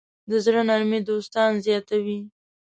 د زړۀ نرمي دوستان زیاتوي.